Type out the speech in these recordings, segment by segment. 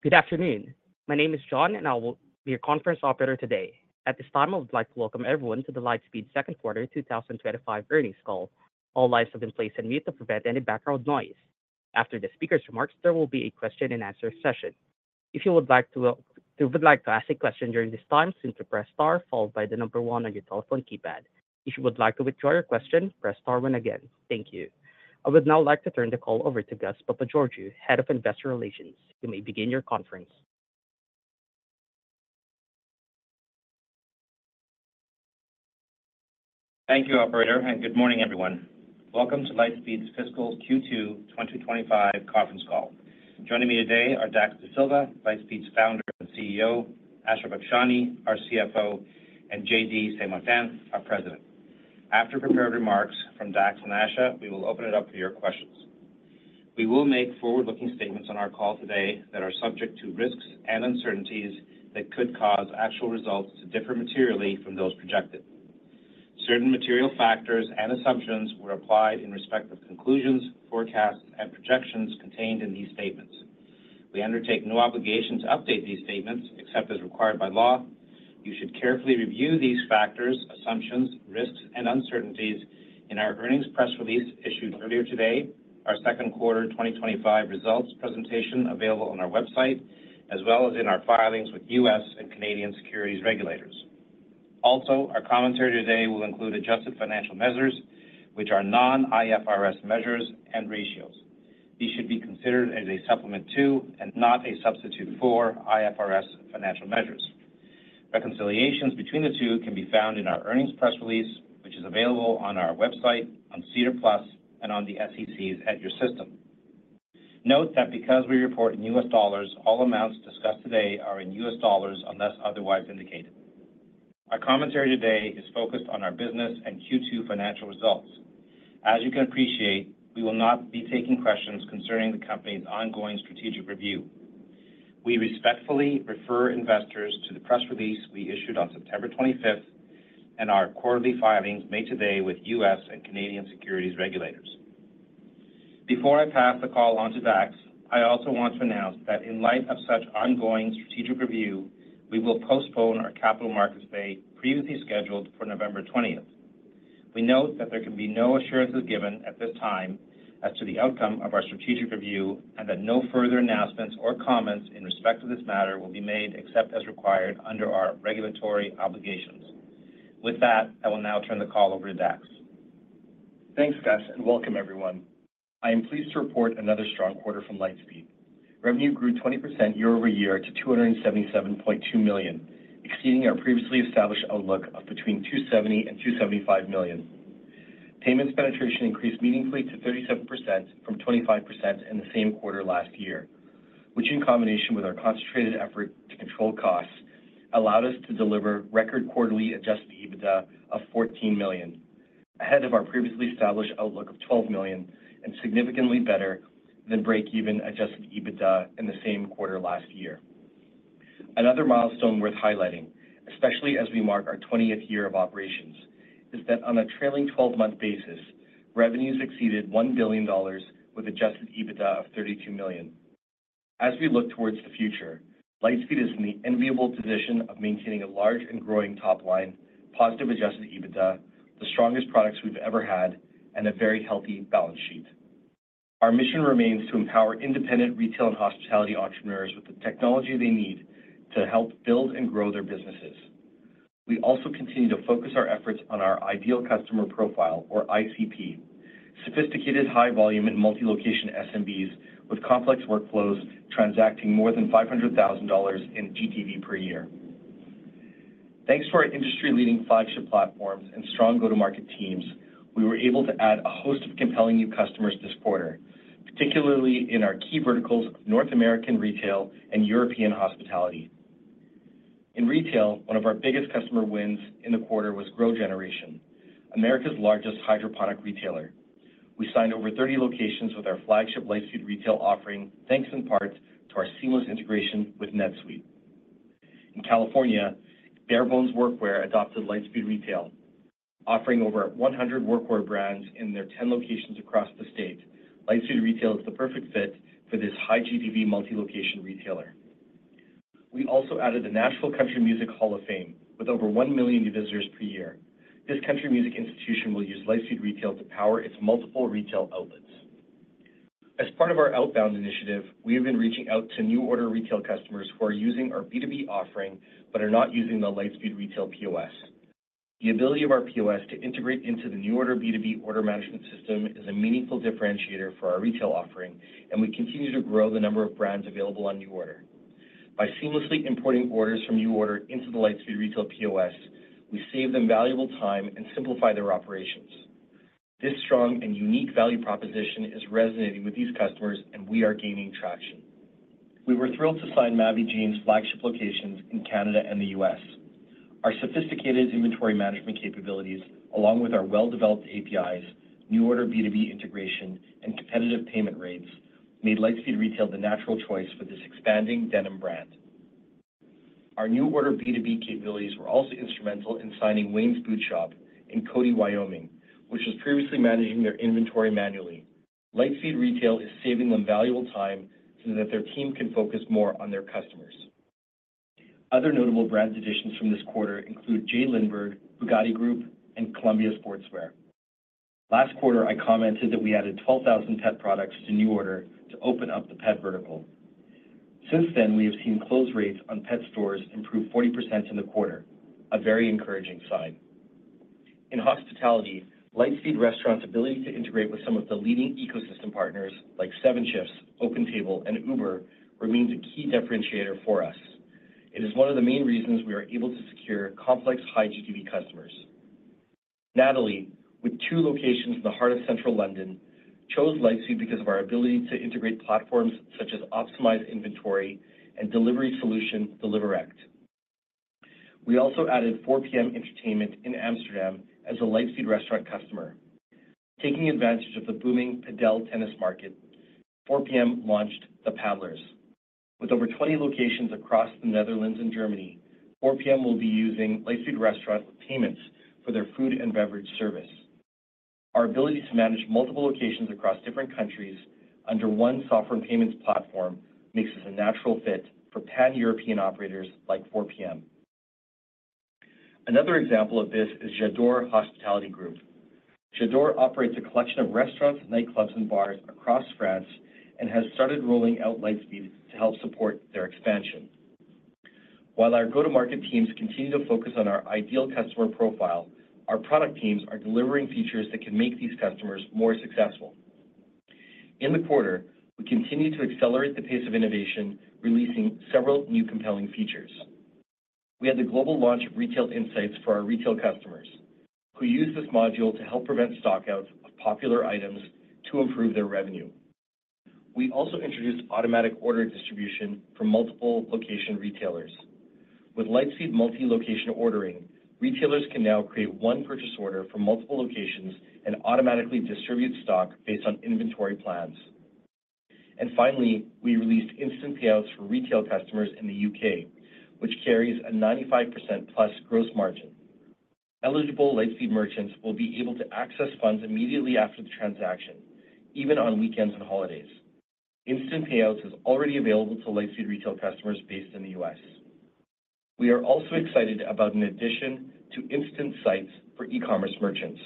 Good afternoon. My name is John, and I will be your conference operator today. At this time, I would like to welcome everyone to the Lightspeed Quarter 2025 Earnings Call. All lines have been placed on mute to prevent any background noise. After the speaker's remarks, there will be a question-and-answer session. If you would like to ask a question during this time, simply press star followed by the number one on your telephone keypad. If you would like to withdraw your question, press star two again. Thank you. I would now like to turn the call over to Gus Papageorgiou, Head of Investor Relations. You may begin your conference. Thank you, Operator, and good morning, everyone. Welcome to Lightspeed's Fiscal Q2 2025 conference call. Joining me today are Dax Dasilva, Lightspeed's founder and CEO, Asha Bakshani, our CFO, and JD Saint-Martin, our President. After prepared remarks from Dax and Asha, we will open it up for your questions. We will make forward-looking statements on our call today that are subject to risks and uncertainties that could cause actual results to differ materially from those projected. Certain material factors and assumptions were applied in respect of conclusions, forecasts, and projections contained in these statements. We undertake no obligation to update these statements except as required by law. You should carefully review these factors, assumptions, risks, and uncertainties in our earnings press release issued earlier today, our Q2 2025 results presentation available on our website, as well as in our filings with U.S. and Canadian securities regulators. Also, our commentary today will include adjusted financial measures, which are non-IFRS measures and ratios. These should be considered as a supplement to and not a substitute for IFRS financial measures. Reconciliations between the two can be found in our earnings press release, which is available on our website, on SEDAR+, and on the SEC's EDGAR system. Note that because we report in U.S. dollars, all amounts discussed today are in U.S. dollars unless otherwise indicated. Our commentary today is focused on our business and Q2 financial results. As you can appreciate, we will not be taking questions concerning the company's ongoing strategic review. We respectfully refer investors to the press release we issued on September 25th and our quarterly filings made today with U.S. and Canadian securities regulators. Before I pass the call on to Dax, I also want to announce that in light of such ongoing strategic review, we will postpone our Capital Markets Day previously scheduled for November 20th. We note that there can be no assurances given at this time as to the outcome of our strategic review and that no further announcements or comments in respect of this matter will be made except as required under our regulatory obligations. With that, I will now turn the call over to Dax. Thanks, Gus, and welcome, everyone. I am pleased to report another strong quarter from Lightspeed. Revenue grew 20% year over year to $277.2 million, exceeding our previously established outlook of between $270 and $275 million. Payments penetration increased meaningfully to 37% from 25% in the same quarter last year, which, in combination with our concentrated effort to control costs, allowed us to deliver record quarterly adjusted EBITDA of $14 million, ahead of our previously established outlook of $12 million and significantly better than break-even adjusted EBITDA in the same quarter last year. Another milestone worth highlighting, especially as we mark our 20th year of operations, is that on a trailing 12-month basis, revenues exceeded $1 billion, with adjusted EBITDA of $32 million. As we look towards the future, Lightspeed is in the enviable position of maintaining a large and growing top line, positive adjusted EBITDA, the strongest products we've ever had, and a very healthy balance sheet. Our mission remains to empower independent retail and hospitality entrepreneurs with the technology they need to help build and grow their businesses. We also continue to focus our efforts on our Ideal Customer Profile, or ICP, sophisticated high-volume and multi-location SMBs with complex workflows transacting more than $500,000 in GTV per year. Thanks to our industry-leading flagship platforms and strong go-to-market teams, we were able to add a host of compelling new customers this quarter, particularly in our key verticals of North American retail and European hospitality. In retail, one of our biggest customer wins in the quarter was GrowGeneration, America's largest hydroponic retailer. We signed over 30 locations with our flagship Lightspeed Retail offering, thanks in part to our seamless integration with NetSuite. In California, Barebones Workwear adopted Lightspeed Retail. Offering over 100 workwear brands in their 10 locations across the state, Lightspeed Retail is the perfect fit for this high-GTV multi-location retailer. We also added the Nashville Country Music Hall of Fame and Museum, with over 1 million new visitors per year. This country music institution will use Lightspeed Retail to power its multiple retail outlets. As part of our outbound initiative, we have been reaching out to NuORDER retail customers who are using our B2B offering but are not using the Lightspeed Retail POS. The ability of our POS to integrate into the NuORDER B2B order management system is a meaningful differentiator for our retail offering, and we continue to grow the number of brands available on NuORDER. By seamlessly importing orders from NuORDER into the Lightspeed Retail POS, we save them valuable time and simplify their operations. This strong and unique value proposition is resonating with these customers, and we are gaining traction. We were thrilled to sign Mavi Jeans' flagship locations in Canada and the U.S. Our sophisticated inventory management capabilities, along with our well-developed APIs, NuORDER B2B integration, and competitive payment rates, made Lightspeed Retail the natural choice for this expanding denim brand. Our NuORDER B2B capabilities were also instrumental in signing Wayne's Boot Shop in Cody, Wyoming, which was previously managing their inventory manually. Lightspeed Retail is saving them valuable time so that their team can focus more on their customers. Other notable brand additions from this quarter include J.Lindeberg, Bugatti Group, and Columbia Sportswear. Last quarter, I commented that we added 12,000 pet products to NuORDER to open up the pet vertical. Since then, we have seen close rates on pet stores improve 40% in the quarter, a very encouraging sign. In hospitality, Lightspeed Restaurant's ability to integrate with some of the leading ecosystem partners, like 7shifts, OpenTable, and Uber, remains a key differentiator for us. It is one of the main reasons we are able to secure complex high-GTV customers. Nathalie, with two locations in the heart of central London, chose Lightspeed because of our ability to integrate platforms such as optimize Inventory and delivery solution Deliverect. We also added 4PM Entertainment in Amsterdam as a Lightspeed Restaurant customer. Taking advantage of the booming padel tennis market, 4PM launched The Paddlers. With over 20 locations across the Netherlands and Germany, 4PM will be using Lightspeed Restaurant Payments for their food and beverage service. Our ability to manage multiple locations across different countries under one software and payments platform makes us a natural fit for pan-European operators like 4PM. Another example of this is Jador Hospitality Group. Jador operates a collection of restaurants, nightclubs, and bars across France and has started rolling out Lightspeed to help support their expansion. While our go-to-market teams continue to focus on our ideal customer profile, our product teams are delivering features that can make these customers more successful. In the quarter, we continue to accelerate the pace of innovation, releasing several new compelling features. We had the global launch of Retail Insights for our retail customers, who use this module to help prevent stockouts of popular items to improve their revenue. We also introduced automatic order distribution for multiple location retailers. With Lightspeed Multi-Location Ordering, retailers can now create one purchase order for multiple locations and automatically distribute stock based on inventory plans. And finally, we released Instant Payouts for retail customers in the U.K., which carries a 95% plus gross margin. Eligible Lightspeed merchants will be able to access funds immediately after the transaction, even on weekends and holidays. Instant Payouts are already available to Lightspeed retail customers based in the U.S. We are also excited about an addition to Instant Sites for e-commerce merchants,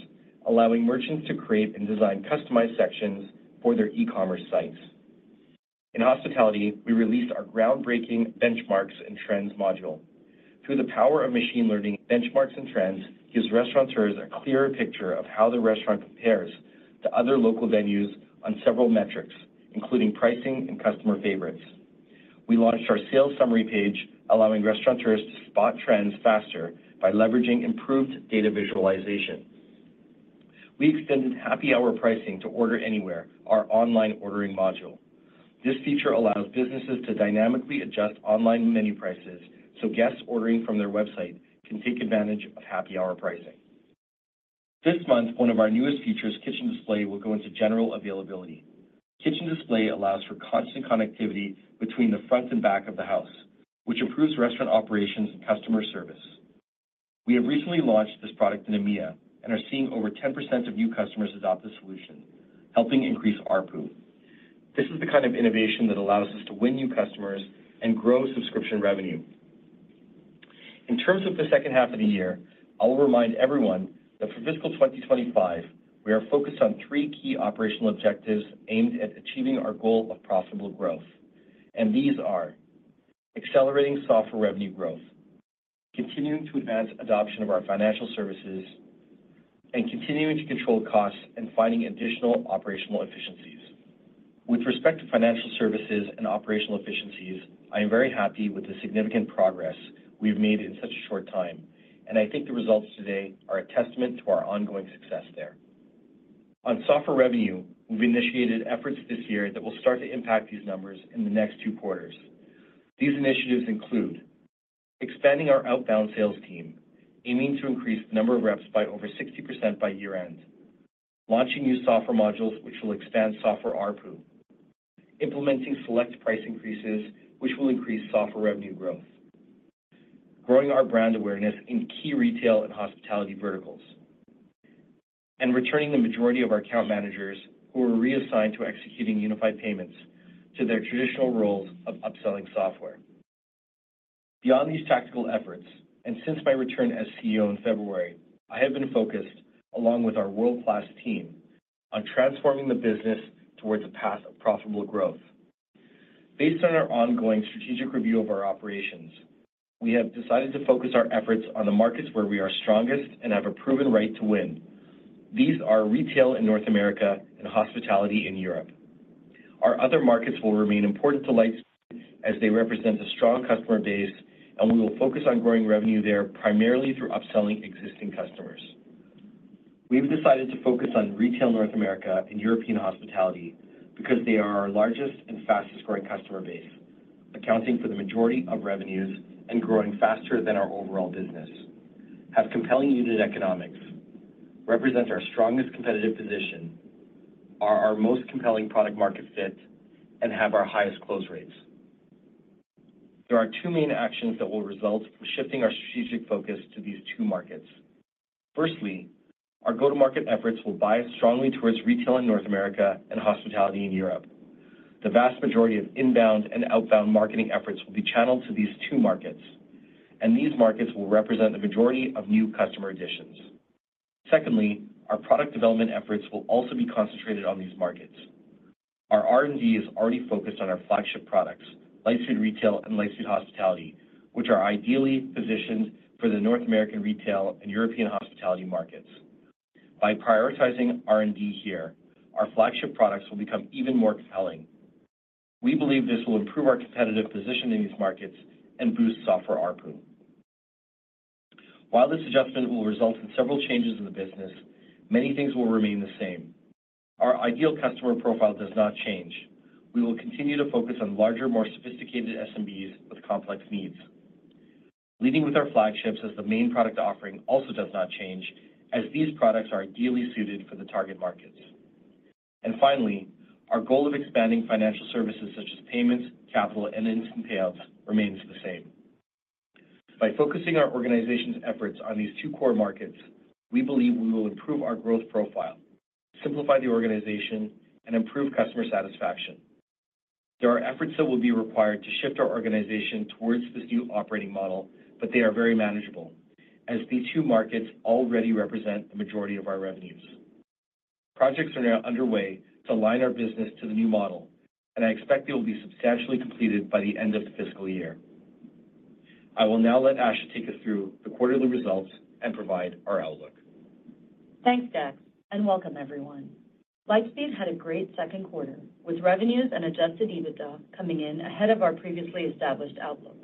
allowing merchants to create and design customized sections for their e-commerce sites. In hospitality, we released our groundbreaking Benchmarks and Trends module. Through the power of machine learning, Benchmarks and Trends gives restaurateurs a clearer picture of how the restaurant compares to other local venues on several metrics, including pricing and customer favorites. We launched our sales summary page, allowing restaurateurs to spot trends faster by leveraging improved data visualization. We extended Happy Hour pricing to Order Anywhere, our online ordering module. This feature allows businesses to dynamically adjust online menu prices so guests ordering from their website can take advantage of Happy Hour pricing. This month, one of our newest features, Kitchen Display, will go into general availability. Kitchen Display allows for constant connectivity between the front and back of the house, which improves restaurant operations and customer service. We have recently launched this product in EMEA and are seeing over 10% of new customers adopt the solution, helping increase our ARPU. This is the kind of innovation that allows us to win new customers and grow subscription revenue. In terms of the second half of the year, I'll remind everyone that for fiscal 2025, we are focused on three key operational objectives aimed at achieving our goal of profitable growth, and these are accelerating software revenue growth, continuing to advance adoption of our financial services, and continuing to control costs and finding additional operational efficiencies. With respect to financial services and operational efficiencies, I am very happy with the significant progress we've made in such a short time, and I think the results today are a testament to our ongoing success there. On software revenue, we've initiated efforts this year that will start to impact these numbers in the next two quarters. These initiatives include expanding our outbound sales team, aiming to increase the number of reps by over 60% by year-end. Launching new software modules, which will expand software RPU. Implementing select price increases, which will increase software revenue growth. Growing our brand awareness in key retail and hospitality verticals. And returning the majority of our account managers, who are reassigned to executing unified payments, to their traditional roles of upselling software. Beyond these tactical efforts, and since my return as CEO in February, I have been focused, along with our world-class team, on transforming the business towards a path of profitable growth. Based on our ongoing strategic review of our operations, we have decided to focus our efforts on the markets where we are strongest and have a proven right to win. These are retail in North America and hospitality in Europe. Our other markets will remain important to Lightspeed as they represent a strong customer base, and we will focus on growing revenue there primarily through upselling existing customers. We've decided to focus on retail North America and European hospitality because they are our largest and fastest-growing customer base, accounting for the majority of revenues and growing faster than our overall business, have compelling unit economics, represent our strongest competitive position, are our most compelling product-market fit, and have our highest close rates. There are two main actions that will result from shifting our strategic focus to these two markets. Firstly, our go-to-market efforts will bias strongly towards retail in North America and hospitality in Europe. The vast majority of inbound and outbound marketing efforts will be channeled to these two markets, and these markets will represent the majority of new customer additions. Secondly, our product development efforts will also be concentrated on these markets. Our R&D is already focused on our flagship products, Lightspeed Retail and Lightspeed Hospitality, which are ideally positioned for the North American retail and European hospitality markets. By prioritizing R&D here, our flagship products will become even more compelling. We believe this will improve our competitive position in these markets and boost software RPU. While this adjustment will result in several changes in the business, many things will remain the same. Our ideal customer profile does not change. We will continue to focus on larger, more sophisticated SMBs with complex needs, leading with our flagships as the main product offering also does not change, as these products are ideally suited for the target markets. And finally, our goal of expanding financial services such as Payments, Capital, and Instant Payouts remains the same. By focusing our organization's efforts on these two core markets, we believe we will improve our growth profile, simplify the organization, and improve customer satisfaction. There are efforts that will be required to shift our organization towards this new operating model, but they are very manageable, as the two markets already represent the majority of our revenues. Projects are now underway to align our business to the new model, and I expect they will be substantially completed by the end of the fiscal year. I will now let Asha take us through the quarterly results and provide our outlook. Thanks, Dax, and welcome, everyone. Lightspeed had a great second quarter, with revenues and Adjusted EBITDA coming in ahead of our previously established outlook.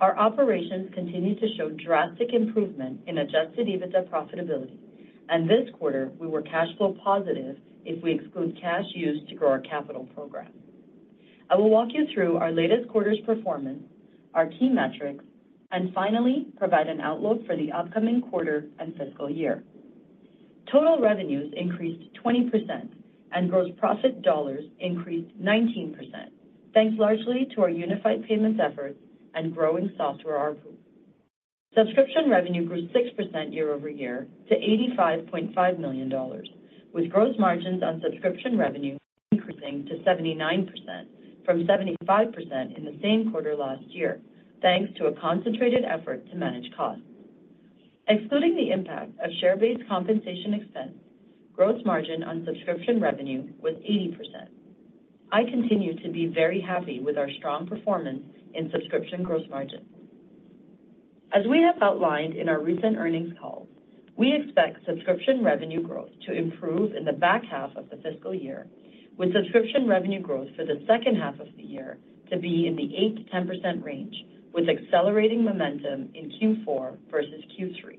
Our operations continue to show drastic improvement in Adjusted EBITDA profitability, and this quarter, we were cash flow positive if we exclude cash used to grow our capital program. I will walk you through our latest quarter's performance, our key metrics, and finally provide an outlook for the upcoming quarter and fiscal year. Total revenues increased 20%, and gross profit dollars increased 19%, thanks largely to our Unified Payments efforts and growing software RPU. Subscription revenue grew 6% year-over-year to $85.5 million, with gross margins on subscription revenue increasing to 79% from 75% in the same quarter last year, thanks to a concentrated effort to manage costs. Excluding the impact of share-based compensation expense, gross margin on subscription revenue was 80%. I continue to be very happy with our strong performance in subscription gross margins. As we have outlined in our recent earnings calls, we expect subscription revenue growth to improve in the back half of the fiscal year, with subscription revenue growth for the second half of the year to be in the 8%-10% range, with accelerating momentum in Q4 versus Q3.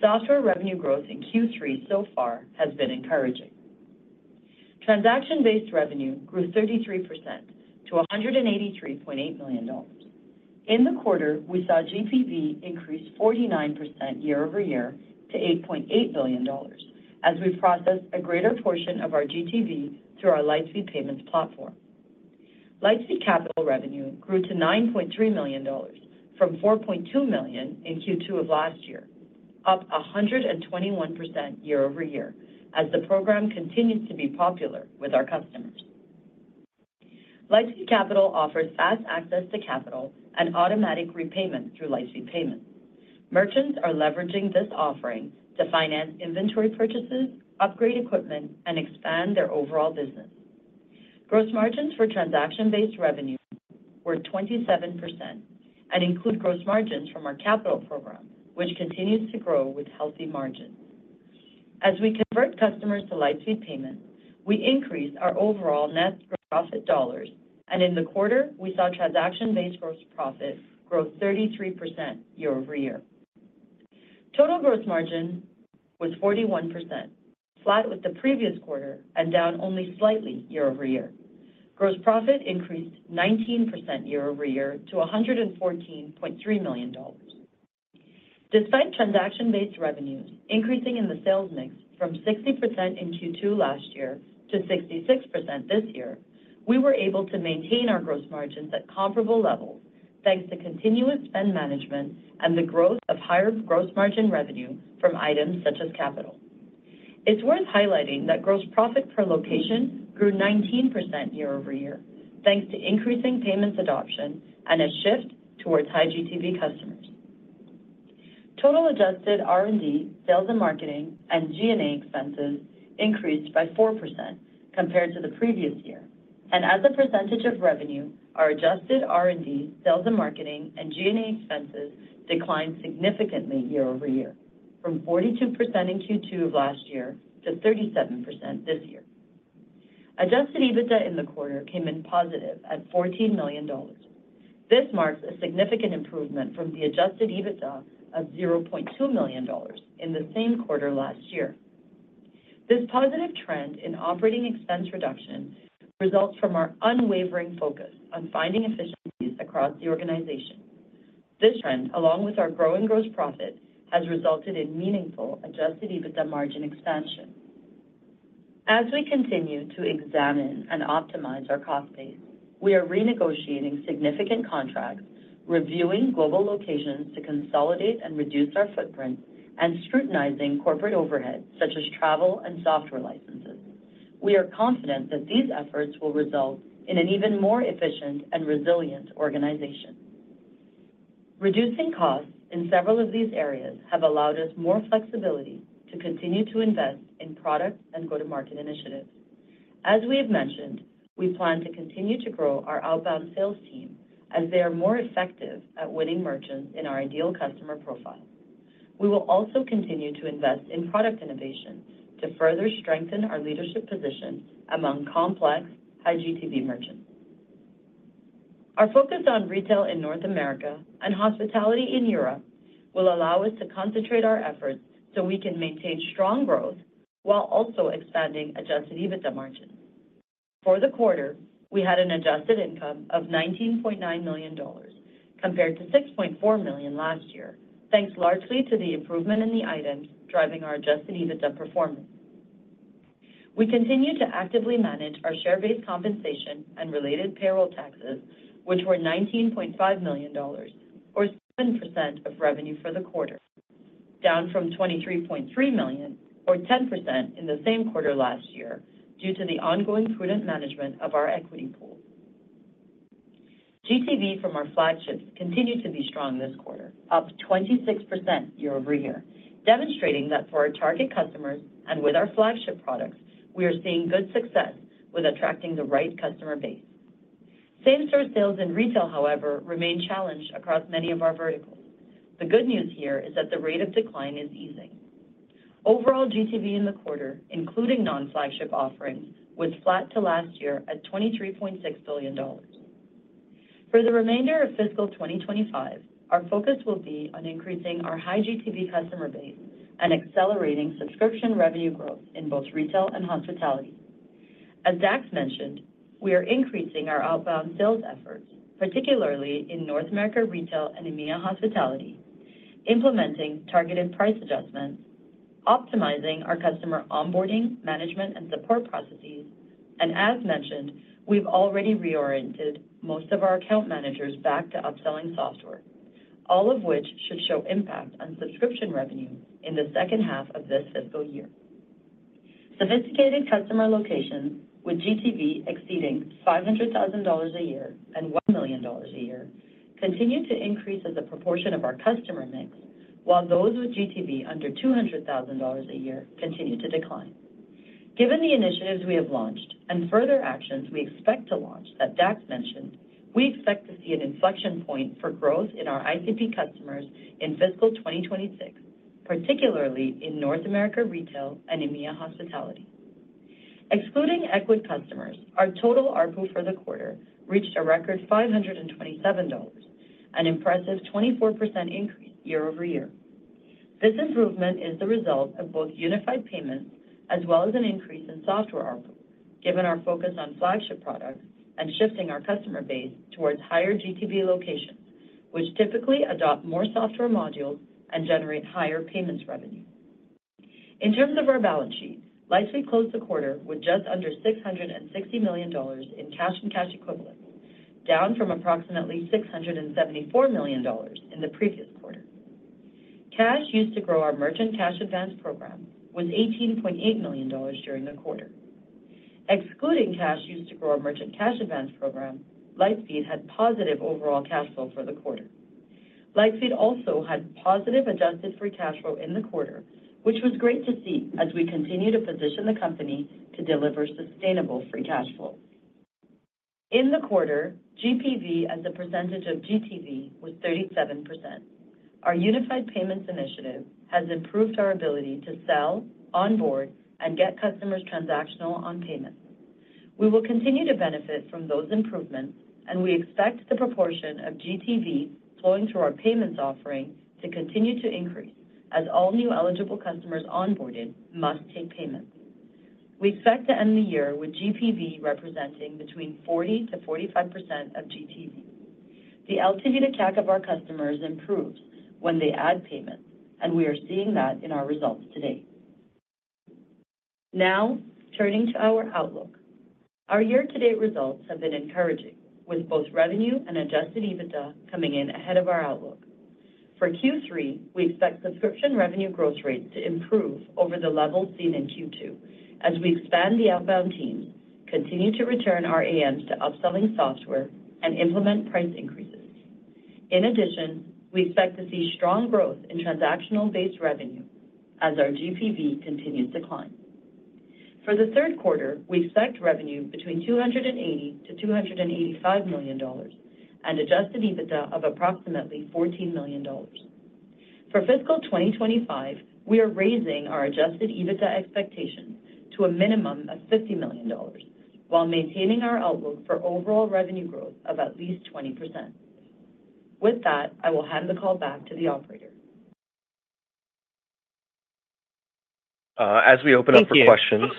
Software revenue growth in Q3 so far has been encouraging. Transaction-based revenue grew 33% to $183.8 million. In the quarter, we saw GPV increase 49% year-over-year to $8.8 billion, as we processed a greater portion of our GTV through our Lightspeed Payments platform. Lightspeed Capital revenue grew to $9.3 million from $4.2 million in Q2 of last year, up 121% year-over-year, as the program continues to be popular with our customers. Lightspeed Capital offers fast access to capital and automatic repayment through Lightspeed Payments. Merchants are leveraging this offering to finance inventory purchases, upgrade equipment, and expand their overall business. Gross margins for transaction-based revenue were 27% and include gross margins from our capital program, which continues to grow with healthy margins. As we convert customers to Lightspeed Payments, we increase our overall net profit dollars, and in the quarter, we saw transaction-based gross profit grow 33% year-over-year. Total gross margin was 41%, flat with the previous quarter and down only slightly year-over-year. Gross profit increased 19% year-over-year to $114.3 million. Despite transaction-based revenues increasing in the sales mix from 60% in Q2 last year to 66% this year, we were able to maintain our gross margins at comparable levels, thanks to continuous spend management and the growth of higher gross margin revenue from items such as capital. It's worth highlighting that gross profit per location grew 19% year-over-year, thanks to increasing payments adoption and a shift towards high GTV customers. Total adjusted R&D, sales and marketing, and G&A expenses increased by 4% compared to the previous year, and as a percentage of revenue, our adjusted R&D, sales and marketing, and G&A expenses declined significantly year-over-year, from 42% in Q2 of last year to 37% this year. Adjusted EBITDA in the quarter came in positive at $14 million. This marks a significant improvement from the adjusted EBITDA of $0.2 million in the same quarter last year. This positive trend in operating expense reduction results from our unwavering focus on finding efficiencies across the organization. This trend, along with our growing gross profit, has resulted in meaningful adjusted EBITDA margin expansion. As we continue to examine and optimize our cost base, we are renegotiating significant contracts, reviewing global locations to consolidate and reduce our footprint, and scrutinizing corporate overheads such as travel and software licenses. We are confident that these efforts will result in an even more efficient and resilient organization. Reducing costs in several of these areas has allowed us more flexibility to continue to invest in product and go-to-market initiatives. As we have mentioned, we plan to continue to grow our outbound sales team as they are more effective at winning merchants in our ideal customer profile. We will also continue to invest in product innovation to further strengthen our leadership position among complex high GTV merchants. Our focus on retail in North America and hospitality in Europe will allow us to concentrate our efforts so we can maintain strong growth while also expanding Adjusted EBITDA margins. For the quarter, we had an Adjusted EBITDA of $19.9 million compared to $6.4 million last year, thanks largely to the improvement in the items driving our Adjusted EBITDA performance. We continue to actively manage our share-based compensation and related payroll taxes, which were $19.5 million, or 7% of revenue for the quarter, down from $23.3 million, or 10% in the same quarter last year, due to the ongoing prudent management of our equity pool. GTV from our flagships continued to be strong this quarter, up 26% year-over-year, demonstrating that for our target customers and with our flagship products, we are seeing good success with attracting the right customer base. Same-store sales in retail, however, remain challenged across many of our verticals. The good news here is that the rate of decline is easing. Overall GTV in the quarter, including non-flagship offerings, was flat to last year at $23.6 billion. For the remainder of fiscal 2025, our focus will be on increasing our high GTV customer base and accelerating subscription revenue growth in both retail and hospitality. As Dax mentioned, we are increasing our outbound sales efforts, particularly in North America retail and EMEA hospitality, implementing targeted price adjustments, optimizing our customer onboarding, management, and support processes, and as mentioned, we've already reoriented most of our account managers back to upselling software, all of which should show impact on subscription revenue in the second half of this fiscal year. Sophisticated customer locations with GTV exceeding $500,000 a year and $1 million a year continue to increase as a proportion of our customer mix, while those with GTV under $200,000 a year continue to decline. Given the initiatives we have launched and further actions we expect to launch, as Dax mentioned, we expect to see an inflection point for growth in our ICP customers in fiscal 2026, particularly in North America retail and EMEA hospitality. Excluding Ecwid customers, our total RPU for the quarter reached a record $527, an impressive 24% increase year-over-year. This improvement is the result of both unified payments as well as an increase in software RPU, given our focus on flagship products and shifting our customer base towards higher GTV locations, which typically adopt more software modules and generate higher payments revenue. In terms of our balance sheet, Lightspeed closed the quarter with just under $660 million in cash and cash equivalents, down from approximately $674 million in the previous quarter. Cash used to grow our merchant cash advance program was $18.8 million during the quarter. Excluding cash used to grow our merchant cash advance program, Lightspeed had positive overall cash flow for the quarter. Lightspeed also had positive adjusted free cash flow in the quarter, which was great to see as we continue to position the company to deliver sustainable free cash flow. In the quarter, GPV as a percentage of GTV was 37%. Our unified payments initiative has improved our ability to sell, onboard, and get customers transactional on payments. We will continue to benefit from those improvements, and we expect the proportion of GTV flowing through our payments offering to continue to increase as all new eligible customers onboarded must take payments. We expect to end the year with GPV representing between 40% to 45% of GTV. The LTV to CAC of our customers improves when they add payments, and we are seeing that in our results today. Now, turning to our outlook. Our year-to-date results have been encouraging, with both revenue and Adjusted EBITDA coming in ahead of our outlook. For Q3, we expect subscription revenue growth rates to improve over the levels seen in Q2 as we expand the outbound teams, continue to return our AMs to upselling software, and implement price increases. In addition, we expect to see strong growth in transactional-based revenue as our GPV continues to climb. For the third quarter, we expect revenue between $280-$285 million and Adjusted EBITDA of approximately $14 million. For fiscal 2025, we are raising our Adjusted EBITDA expectations to a minimum of $50 million, while maintaining our outlook for overall revenue growth of at least 20%. With that, I will hand the call back to the operator. As we open up for questions.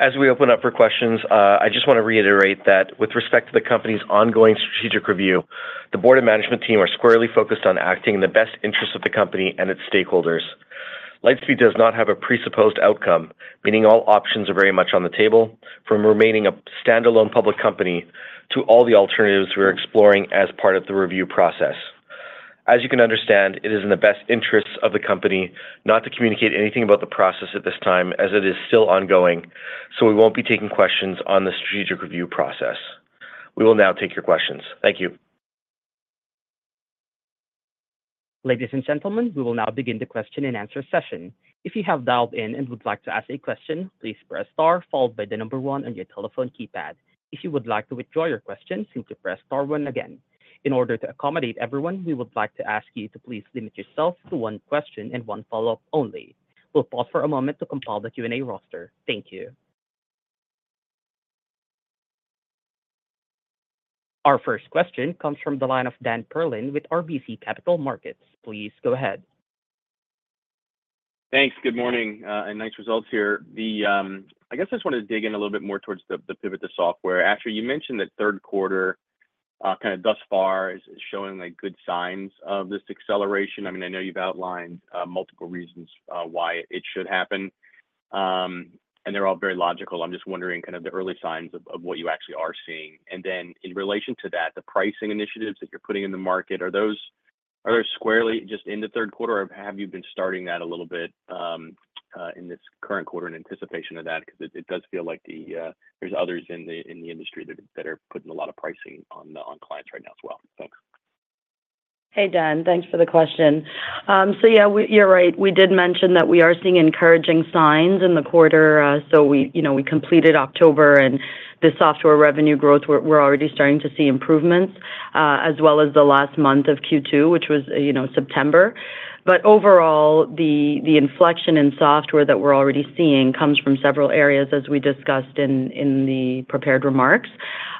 Thank you. As we open up for questions, I just want to reiterate that with respect to the company's ongoing strategic review, the board and management team are squarely focused on acting in the best interest of the company and its stakeholders. Lightspeed does not have a presupposed outcome, meaning all options are very much on the table, from remaining a standalone public company to all the alternatives we are exploring as part of the review process. As you can understand, it is in the best interests of the company not to communicate anything about the process at this time, as it is still ongoing, so we won't be taking questions on the strategic review process. We will now take your questions. Thank you. Ladies and gentlemen, we will now begin the question and answer session. If you have dialed in and would like to ask a question, please press Star, followed by the number one on your telephone keypad. If you would like to withdraw your question, simply press Star one again. In order to accommodate everyone, we would like to ask you to please limit yourself to one question and one follow-up only. We'll pause for a moment to compile the Q&A roster. Thank you. Our first question comes from the line of Dan Perlin with RBC Capital Markets. Please go ahead. Thanks. Good morning and nice results here. I guess I just wanted to dig in a little bit more towards the Pivot to Software. Asha, you mentioned that third quarter kind of thus far is showing good signs of this acceleration. I mean, I know you've outlined multiple reasons why it should happen, and they're all very logical. I'm just wondering kind of the early signs of what you actually are seeing. And then in relation to that, the pricing initiatives that you're putting in the market, are those squarely just in the third quarter, or have you been starting that a little bit in this current quarter in anticipation of that? Because it does feel like there's others in the industry that are putting a lot of pricing on clients right now as well. Thanks. Hey, Dan, thanks for the question. So yeah, you're right. We did mention that we are seeing encouraging signs in the quarter. We completed October, and the software revenue growth; we're already starting to see improvements, as well as the last month of Q2, which was September. Overall, the inflection in software that we're already seeing comes from several areas, as we discussed in the prepared remarks,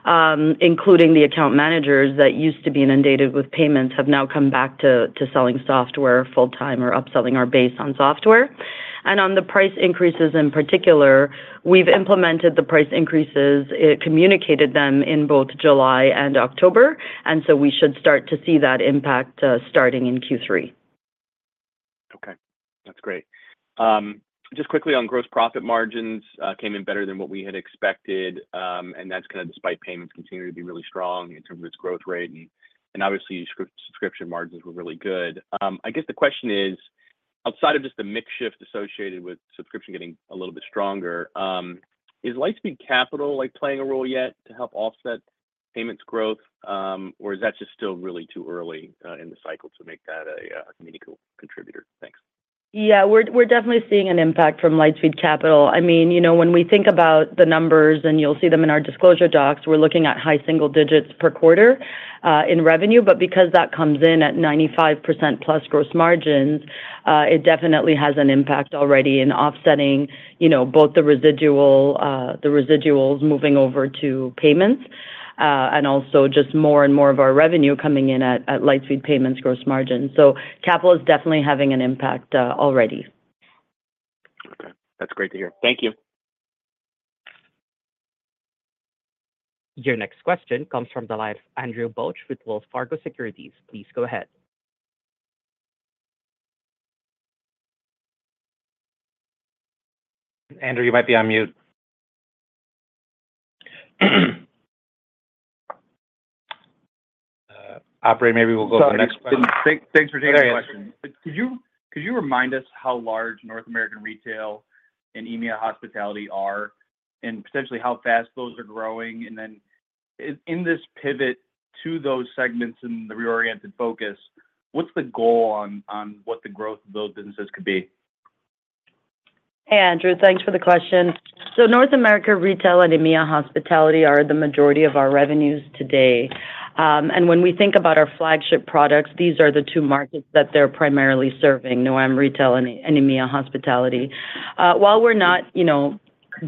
including the account managers that used to be inundated with payments; they have now come back to selling software full-time or upselling our base on software. On the price increases in particular, we've implemented the price increases. We communicated them in both July and October, and so we should start to see that impact starting in Q3. Okay. That's great. Just quickly on gross profit margins, came in better than what we had expected, and that's kind of despite payments continuing to be really strong in terms of its growth rate, and obviously, subscription margins were really good. I guess the question is, outside of just the mixed shift associated with subscription getting a little bit stronger, is Lightspeed Capital playing a role yet to help offset payments growth, or is that just still really too early in the cycle to make that a meaningful contributor? Thanks. Yeah, we're definitely seeing an impact from Lightspeed Capital. I mean, when we think about the numbers, and you'll see them in our disclosure docs, we're looking at high single digits per quarter in revenue, but because that comes in at 95% plus gross margins, it definitely has an impact already in offsetting both the residuals moving over to payments and also just more and more of our revenue coming in at Lightspeed Payments gross margins. So capital is definitely having an impact already. Okay. That's great to hear. Thank you. Your next question comes from the line of Andrew Bauch with Wells Fargo Securities. Please go ahead. Andrew, you might be on mute. Operator, maybe we'll go to the next question. Thanks for taking the question. Could you remind us how large North American retail and EMEA hospitality are and potentially how fast those are growing? And then in this pivot to those segments and the reoriented focus, what's the goal on what the growth of those businesses could be? Hey, Andrew, thanks for the question. So North America retail and EMEA hospitality are the majority of our revenues today. And when we think about our flagship products, these are the two markets that they're primarily serving: NA retail and EMEA hospitality. While we're not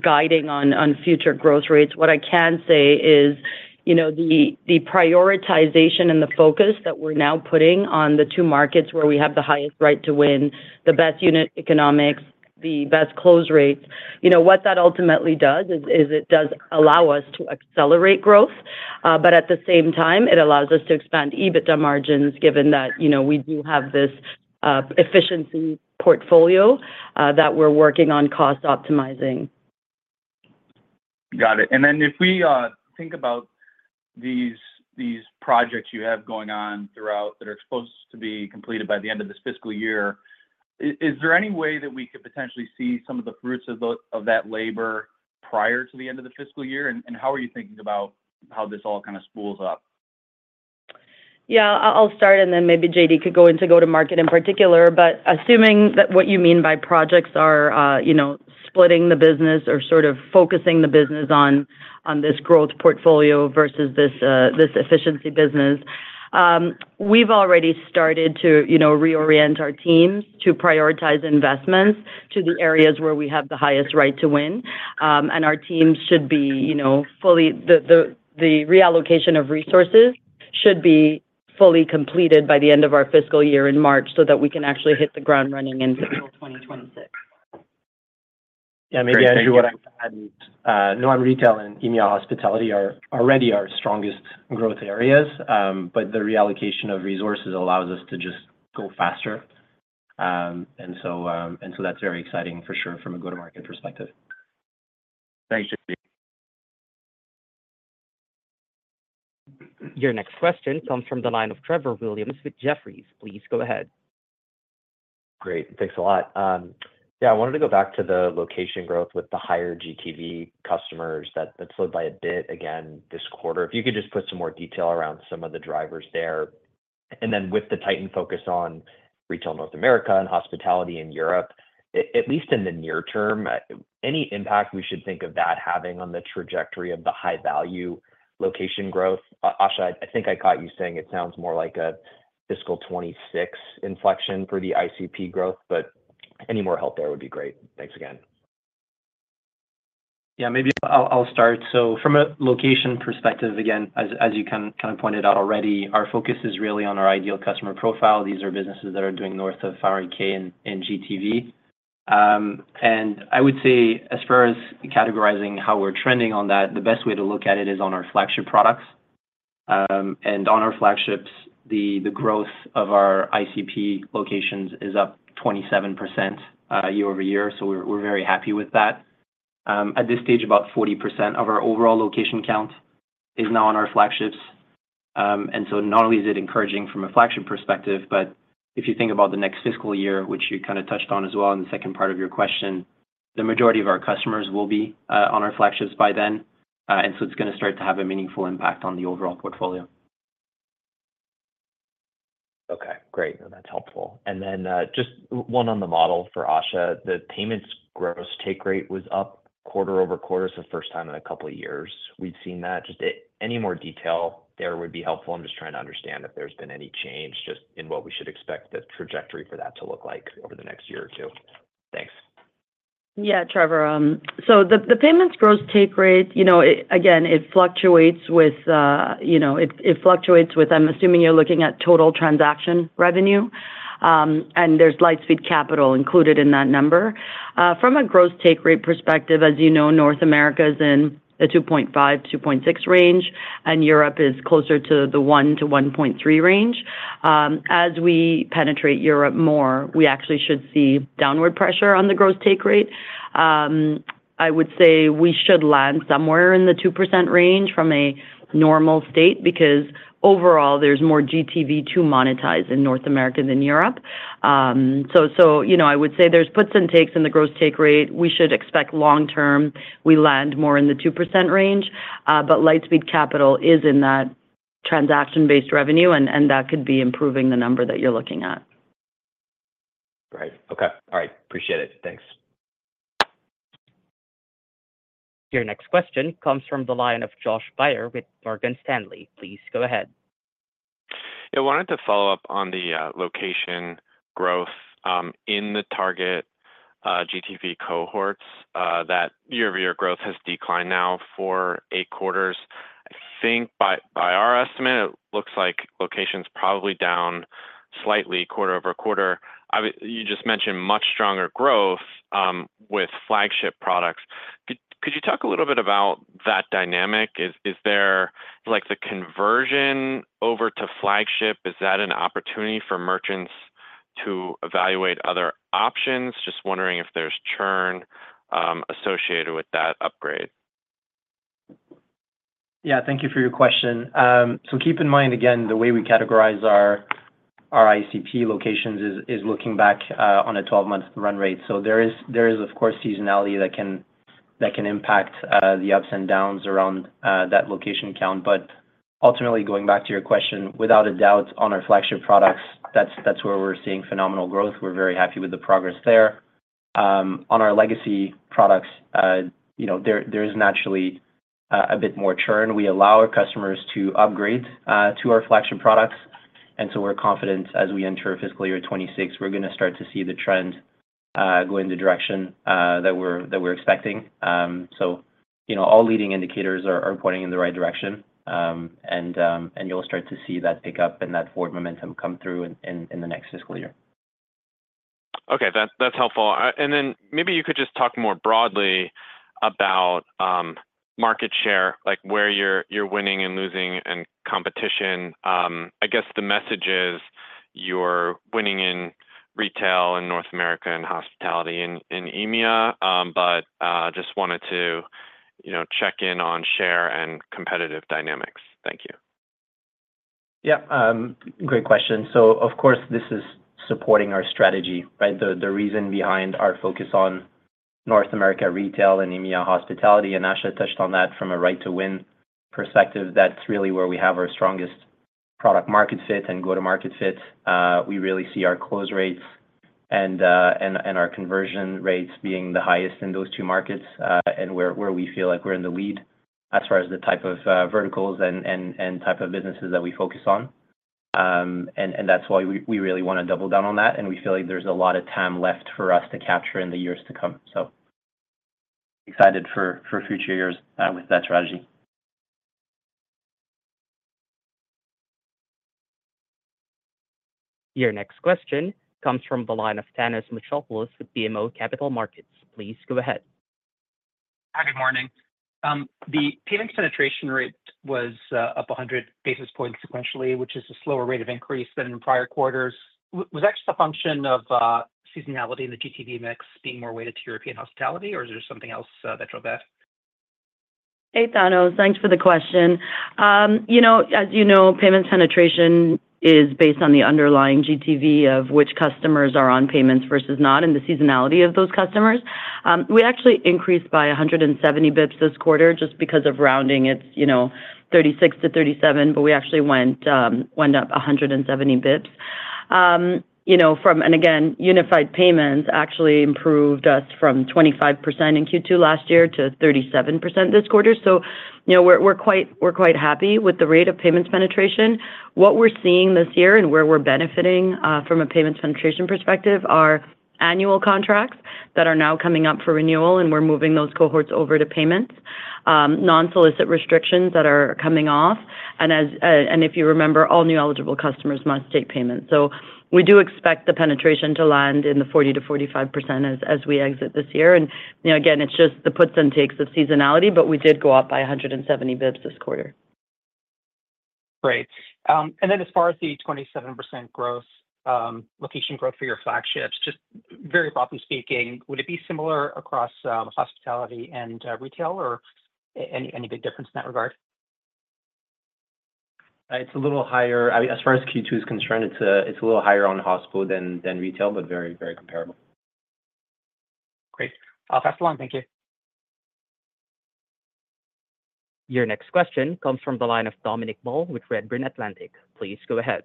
guiding on future growth rates, what I can say is the prioritization and the focus that we're now putting on the two markets where we have the highest right to win, the best unit economics, the best close rates, what that ultimately does is it does allow us to accelerate growth, but at the same time, it allows us to expand EBITDA margins given that we do have this efficiency portfolio that we're working on cost optimizing. Got it. And then if we think about these projects you have going on throughout that are supposed to be completed by the end of this fiscal year, is there any way that we could potentially see some of the fruits of that labor prior to the end of the fiscal year? And how are you thinking about how this all kind of spools up? Yeah, I'll start, and then maybe JD could go into go-to-market in particular, but assuming that what you mean by projects are splitting the business or sort of focusing the business on this growth portfolio versus this efficiency business, we've already started to reorient our teams to prioritize investments to the areas where we have the highest right to win, and our teams should be fully, the reallocation of resources should be fully completed by the end of our fiscal year in March so that we can actually hit the ground running in fiscal 2026. Yeah, maybe Andrew, what I've had, no, our retail and EMEA hospitality are already our strongest growth areas, but the reallocation of resources allows us to just go faster. And so that's very exciting for sure from a go-to-market perspective. Thanks, JD. Your next question comes from the line of Trevor Williams with Jefferies. Please go ahead. Great. Thanks a lot. Yeah, I wanted to go back to the location growth with the higher GTV customers that slowed by a bit again this quarter. If you could just put some more detail around some of the drivers there. And then with the tightened focus on retail North America and hospitality in Europe, at least in the near term, any impact we should think of that having on the trajectory of the high-value location growth? Asha, I think I caught you saying it sounds more like a fiscal 2026 inflection for the ICP growth, but any more help there would be great. Thanks again. Yeah, maybe I'll start. So from a location perspective, again, as you kind of pointed out already, our focus is really on our ideal customer profile. These are businesses that are doing north of 500K in GTV. And I would say as far as categorizing how we're trending on that, the best way to look at it is on our flagship products. And on our flagships, the growth of our ICP locations is up 27% year over year, so we're very happy with that. At this stage, about 40% of our overall location count is now on our flagships. And so not only is it encouraging from a flagship perspective, but if you think about the next fiscal year, which you kind of touched on as well in the second part of your question, the majority of our customers will be on our flagships by then, and so it's going to start to have a meaningful impact on the overall portfolio. Okay. Great. That's helpful. And then just one on the model for Asha, the payments gross take rate was up quarter over quarter for the first time in a couple of years. We've seen that. Just any more detail there would be helpful. I'm just trying to understand if there's been any change just in what we should expect the trajectory for that to look like over the next year or two. Thanks. Yeah, Trevor. So the payments gross take rate, again, it fluctuates with, I'm assuming you're looking at total transaction revenue, and there's Lightspeed Capital included in that number. From a gross take rate perspective, as you know, North America is in the 2.5%-2.6% range, and Europe is closer to the 1%-1.3% range. As we penetrate Europe more, we actually should see downward pressure on the gross take rate. I would say we should land somewhere in the 2% range from a normal state because overall, there's more GTV to monetize in North America than Europe. So I would say there's puts and takes in the gross take rate. We should expect long-term, we land more in the 2% range, but Lightspeed Capital is in that transaction-based revenue, and that could be improving the number that you're looking at. Right. Okay. All right. Appreciate it. Thanks. Your next question comes from the line of Josh Baer with Morgan Stanley. Please go ahead. Yeah, I wanted to follow up on the location growth in the target GTV cohorts. That year-over-year growth has declined now for eight quarters. I think by our estimate, it looks like location's probably down slightly quarter over quarter. You just mentioned much stronger growth with flagship products. Could you talk a little bit about that dynamic? Is there the conversion over to flagship? Is that an opportunity for merchants to evaluate other options? Just wondering if there's churn associated with that upgrade. Yeah, thank you for your question. So keep in mind, again, the way we categorize our ICP locations is looking back on a 12-month run rate. So there is, of course, seasonality that can impact the ups and downs around that location count. But ultimately, going back to your question, without a doubt, on our flagship products, that's where we're seeing phenomenal growth. We're very happy with the progress there. On our legacy products, there is naturally a bit more churn. We allow our customers to upgrade to our flagship products. And so we're confident as we enter fiscal year 2026, we're going to start to see the trend go in the direction that we're expecting. So all leading indicators are pointing in the right direction, and you'll start to see that pickup and that forward momentum come through in the next fiscal year. Okay. That's helpful. And then maybe you could just talk more broadly about market share, where you're winning and losing and competition. I guess the message is you're winning in retail in North America and hospitality in EMEA, but just wanted to check in on share and competitive dynamics. Thank you. Yeah. Great question. So of course, this is supporting our strategy, right? The reason behind our focus on North America retail and EMEA hospitality, and Asha touched on that from a right-to-win perspective, that's really where we have our strongest product-market fit and go-to-market fit. We really see our close rates and our conversion rates being the highest in those two markets and where we feel like we're in the lead as far as the type of verticals and type of businesses that we focus on. And that's why we really want to double down on that, and we feel like there's a lot of time left for us to capture in the years to come. So excited for future years with that strategy. Your next question comes from the line of Thanos Moschopoulos with BMO Capital Markets. Please go ahead. Hi, good morning. The payments penetration rate was up 100 basis points sequentially, which is a slower rate of increase than in prior quarters. Was that just a function of seasonality in the GTV mix being more weighted to European hospitality, or is there something else that drove that? Hey, Thanos. Thanks for the question. As you know, payments penetration is based on the underlying GTV of which customers are on payments versus not and the seasonality of those customers. We actually increased by 170 basis points this quarter just because of rounding it's 36% to 37%, but we actually went up 170 basis points. And again, Unified Payments actually improved us from 25% in Q2 last year to 37% this quarter. So we're quite happy with the rate of payments penetration. What we're seeing this year and where we're benefiting from a payments penetration perspective are annual contracts that are now coming up for renewal, and we're moving those cohorts over to payments, non-solicit restrictions that are coming off. And if you remember, all new eligible customers must take payments. So we do expect the penetration to land in the 40%-45% as we exit this year. And again, it's just the puts and takes of seasonality, but we did go up by 170 basis points this quarter. Great. And then as far as the 27% location growth for your flagships, just very broadly speaking, would it be similar across hospitality and retail, or any big difference in that regard? It's a little higher. As far as Q2 is concerned, it's a little higher on hospitality than retail, but very, very comparable. Great. I'll pass it along. Thank you. Your next question comes from the line of Dominic Moll with Redburn Atlantic. Please go ahead.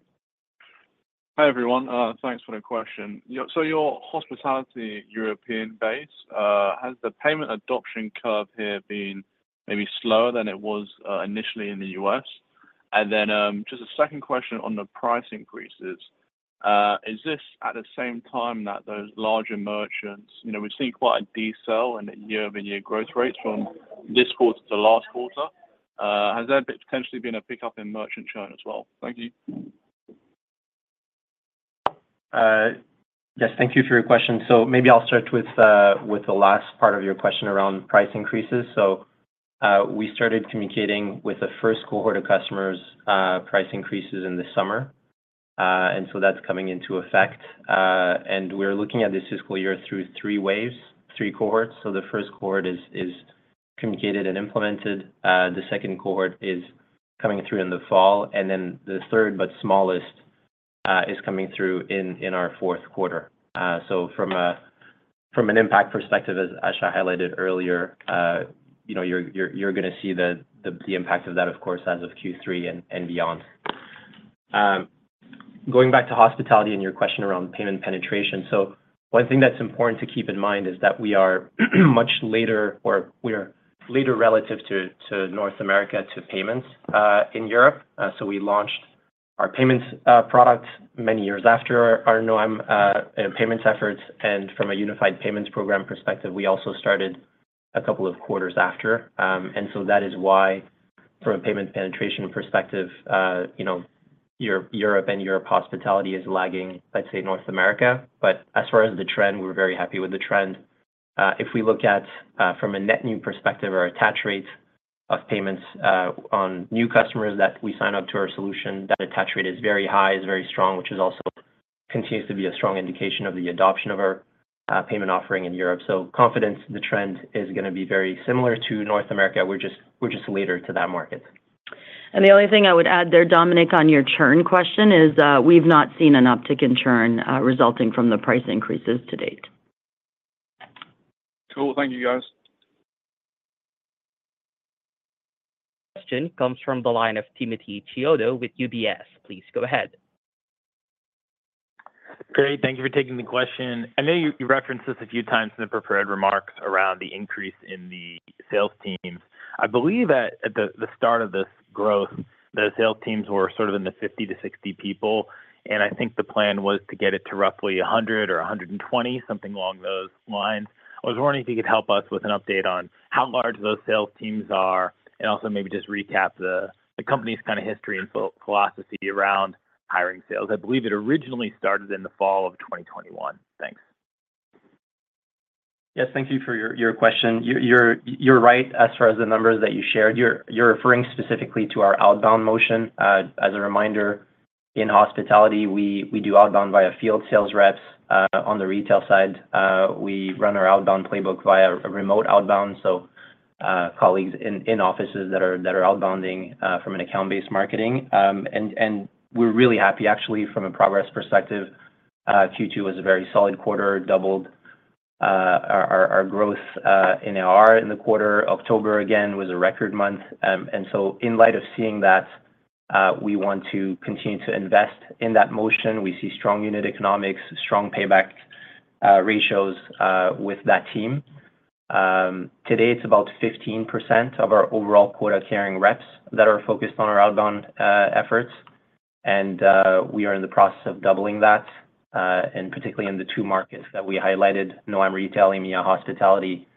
Hi everyone. Thanks for the question. So your hospitality European base, has the payment adoption curve here been maybe slower than it was initially in the U.S.? And then just a second question on the price increases. Is this at the same time that those larger merchants, we've seen quite a decel in the year-over-year growth rates from this quarter to last quarter, has there potentially been a pickup in merchant churn as well? Thank you. Yes, thank you for your question. So maybe I'll start with the last part of your question around price increases. So we started communicating with the first cohort of customers' price increases in the summer, and so that's coming into effect. And we're looking at this fiscal year through three waves, three cohorts. So the first cohort is communicated and implemented. The second cohort is coming through in the fall, and then the third, but smallest, is coming through in our fourth quarter. So from an impact perspective, as Asha highlighted earlier, you're going to see the impact of that, of course, as of Q3 and beyond. Going back to hospitality and your question around payment penetration, so one thing that's important to keep in mind is that we are much later or we're later relative to North America to payments in Europe. We launched our payments products many years after our own payments efforts. From a Unified Payments program perspective, we also started a couple of quarters after. That is why, from a payment penetration perspective, Europe and European hospitality is lagging, let's say, North America. But as far as the trend, we're very happy with the trend. If we look at, from a net new perspective, our attach rates of payments on new customers that we sign up to our solution, that attach rate is very high, is very strong, which also continues to be a strong indication of the adoption of our payment offering in Europe. Confidence, the trend is going to be very similar to North America. We're just later to that market. The only thing I would add there, Dominic, on your churn question is we've not seen an uptick in churn resulting from the price increases to date. Cool. Thank you, guys. Question comes from the line of Timothy Chiodo with UBS. Please go ahead. Great. Thank you for taking the question. I know you referenced this a few times in the prepared remarks around the increase in the sales teams. I believe at the start of this growth, the sales teams were sort of in the 50-60 people, and I think the plan was to get it to roughly 100 or 120, something along those lines. I was wondering if you could help us with an update on how large those sales teams are and also maybe just recap the company's kind of history and philosophy around hiring sales. I believe it originally started in the fall of 2021. Thanks. Yes, thank you for your question. You're right as far as the numbers that you shared. You're referring specifically to our outbound motion. As a reminder, in hospitality, we do outbound via field sales reps. On the retail side, we run our outbound playbook via a remote outbound. So colleagues in offices that are outbounding from an account-based marketing. And we're really happy, actually, from a progress perspective. Q2 was a very solid quarter, doubled our growth in AR in the quarter. October, again, was a record month. And so in light of seeing that, we want to continue to invest in that motion. We see strong unit economics, strong payback ratios with that team. Today, it's about 15% of our overall quota carrying reps that are focused on our outbound efforts. We are in the process of doubling that, and particularly in the two markets that we highlighted, North America retail, EMEA, hospitality,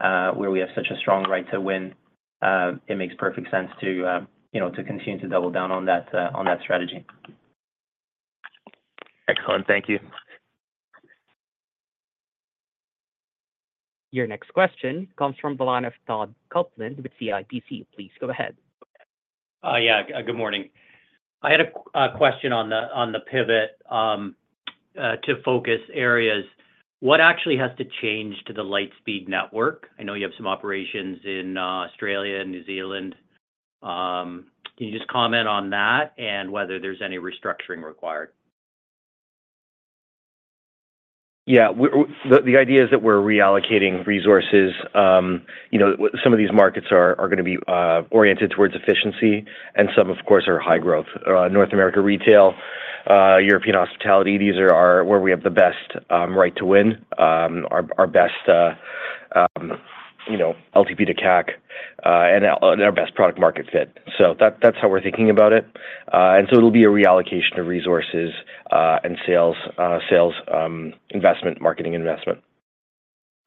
where we have such a strong right-to-win. It makes perfect sense to continue to double down on that strategy. Excellent. Thank you. Your next question comes from the line of Todd Coupland with CIBC. Please go ahead. Yeah. Good morning. I had a question on the pivot to focus areas. What actually has to change to the Lightspeed network? I know you have some operations in Australia and New Zealand. Can you just comment on that and whether there's any restructuring required? Yeah. The idea is that we're reallocating resources. Some of these markets are going to be oriented towards efficiency, and some, of course, are high growth. North America retail, European hospitality, these are where we have the best right-to-win, our best LTV to CAC, and our best product-market fit. So that's how we're thinking about it. And so it'll be a reallocation of resources and sales, sales investment, marketing investment,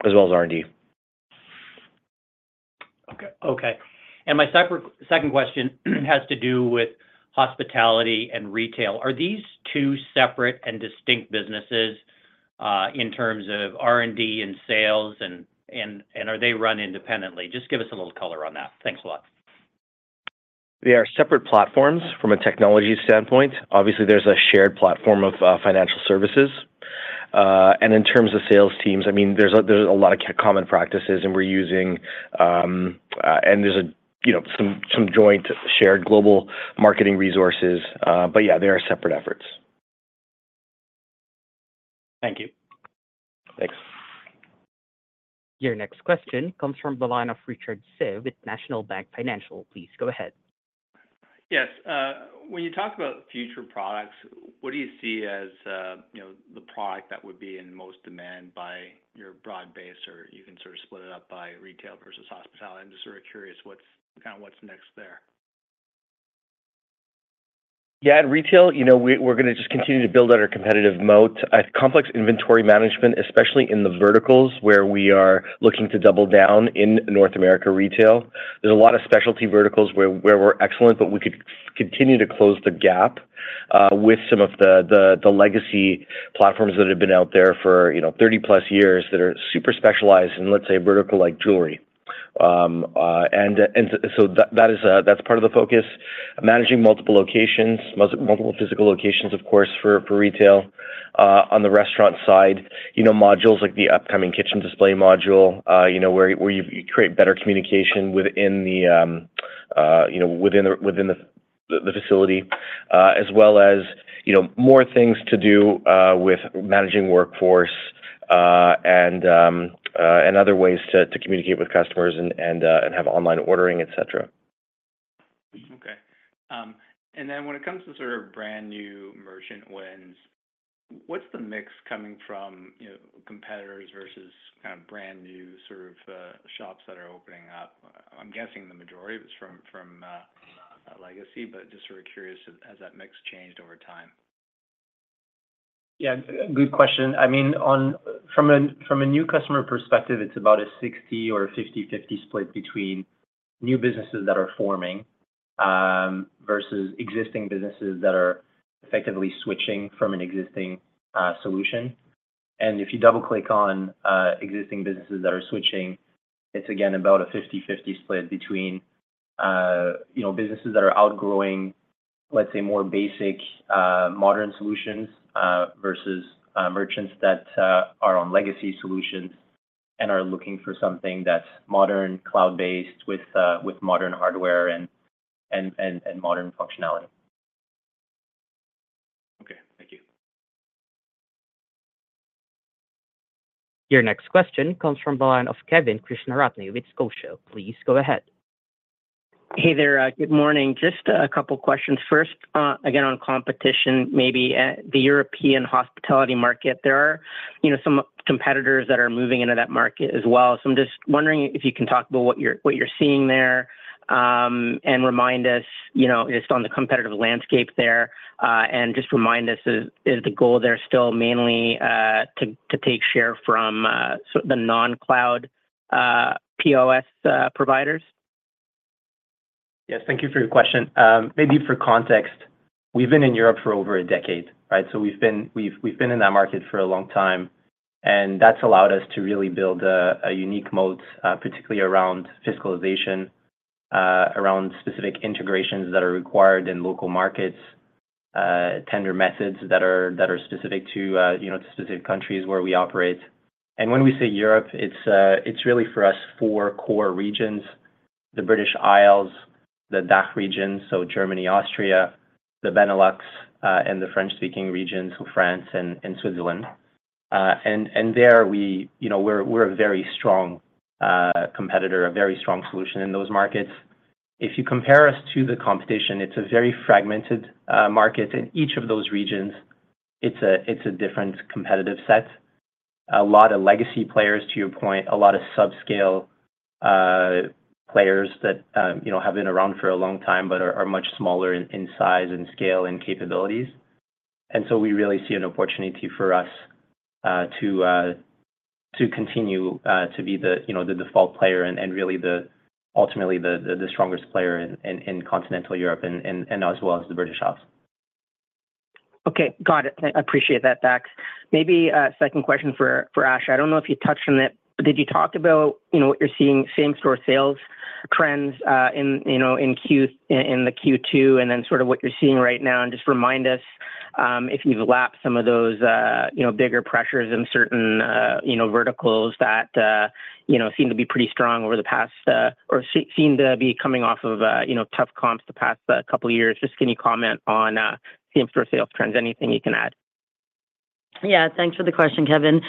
as well as R&D. Okay, and my second question has to do with hospitality and retail. Are these two separate and distinct businesses in terms of R&D and sales, and are they run independently? Just give us a little color on that. Thanks a lot. They are separate platforms from a technology standpoint. Obviously, there's a shared platform of financial services. And in terms of sales teams, I mean, there's a lot of common practices, and we're using, and there's some joint shared global marketing resources. But yeah, they are separate efforts. Thank you. Thanks. Your next question comes from the line of Richard Tse with National Bank Financial. Please go ahead. Yes. When you talk about future products, what do you see as the product that would be in most demand by your broad base, or you can sort of split it up by retail versus hospitality? I'm just sort of curious what's next there. Yeah. In retail, we're going to just continue to build out our competitive moat. Complex inventory management, especially in the verticals where we are looking to double down in North America retail. There's a lot of specialty verticals where we're excellent, but we could continue to close the gap with some of the legacy platforms that have been out there for 30-plus years that are super specialized in, let's say, vertical like jewelry. And so that's part of the focus. Managing multiple locations, multiple physical locations, of course, for retail. On the restaurant side, modules like the upcoming Kitchen Display module where you create better communication within the facility, as well as more things to do with managing workforce and other ways to communicate with customers and have online ordering, etc. Okay. And then when it comes to sort of brand new merchant wins, what's the mix coming from competitors versus kind of brand new sort of shops that are opening up? I'm guessing the majority of it's from legacy, but just sort of curious, has that mix changed over time? Yeah. Good question. I mean, from a new customer perspective, it's about a 60/40 or a 50/50 split between new businesses that are forming versus existing businesses that are effectively switching from an existing solution, and if you double-click on existing businesses that are switching, it's again about a 50/50 split between businesses that are outgrowing, let's say, more basic modern solutions versus merchants that are on legacy solutions and are looking for something that's modern, cloud-based with modern hardware and modern functionality. Okay. Thank you. Your next question comes from the line of Kevin Krishnaratne with Scotia. Please go ahead. Hey there. Good morning. Just a couple of questions first. Again, on competition, maybe the European hospitality market, there are some competitors that are moving into that market as well. So I'm just wondering if you can talk about what you're seeing there and remind us just on the competitive landscape there and just remind us, is the goal there still mainly to take share from the non-cloud POS providers? Yes. Thank you for your question. Maybe for context, we've been in Europe for over a decade, right? So we've been in that market for a long time, and that's allowed us to really build a unique moat, particularly around fiscalization, around specific integrations that are required in local markets, tender methods that are specific to specific countries where we operate. And when we say Europe, it's really for us four core regions: the British Isles, the DACH region, so Germany, Austria, the Benelux, and the French-speaking regions, so France and Switzerland. And there, we're a very strong competitor, a very strong solution in those markets. If you compare us to the competition, it's a very fragmented market. In each of those regions, it's a different competitive set. A lot of legacy players, to your point, a lot of subscale players that have been around for a long time but are much smaller in size and scale and capabilities, and so we really see an opportunity for us to continue to be the default player and really, ultimately, the strongest player in continental Europe and as well as the British Isles. Okay. Got it. I appreciate that, Dax. Maybe a second question for Asha. I don't know if you touched on it, but did you talk about what you're seeing, same-store sales trends in the Q2 and then sort of what you're seeing right now? And just remind us if you've lapped some of those bigger pressures in certain verticals that seem to be pretty strong over the past or seem to be coming off of tough comps the past couple of years. Just give me a comment on same-store sales trends, anything you can add. Yeah. Thanks for the question, Kevin.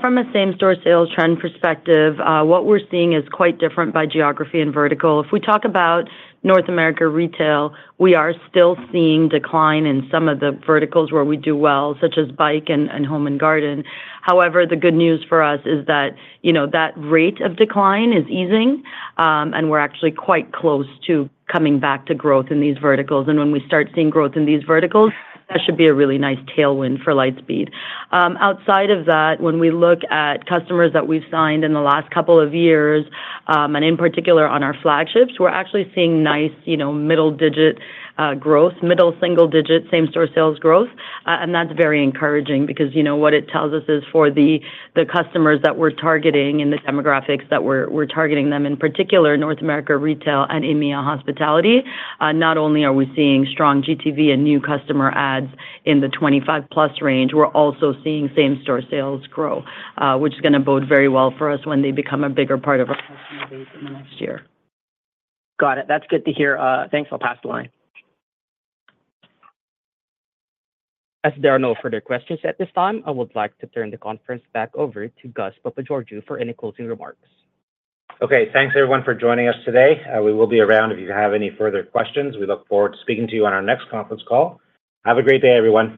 From a same-store sales trend perspective, what we're seeing is quite different by geography and vertical. If we talk about North America retail, we are still seeing decline in some of the verticals where we do well, such as bike and home and garden. However, the good news for us is that that rate of decline is easing, and we're actually quite close to coming back to growth in these verticals. And when we start seeing growth in these verticals, that should be a really nice tailwind for Lightspeed. Outside of that, when we look at customers that we've signed in the last couple of years, and in particular on our flagships, we're actually seeing nice middle-digit growth, middle-single-digit same-store sales growth. That's very encouraging because what it tells us is for the customers that we're targeting and the demographics that we're targeting them, in particular, North America retail and EMEA hospitality, not only are we seeing strong GTV and new customer adds in the 25-plus range, we're also seeing same-store sales grow, which is going to bode very well for us when they become a bigger part of our customer base in the next year. Got it. That's good to hear. Thanks. I'll pass the line. As there are no further questions at this time, I would like to turn the conference back over to Gus Papageorgiou for any closing remarks. Okay. Thanks, everyone, for joining us today. We will be around if you have any further questions. We look forward to speaking to you on our next conference call. Have a great day, everyone.